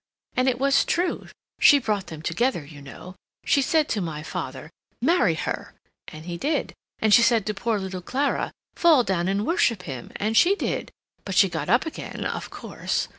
And it was true; she brought them together, you know. She said to my father, 'Marry her,' and he did; and she said to poor little Clara, 'Fall down and worship him,' and she did; but she got up again, of course.